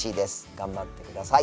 頑張ってください。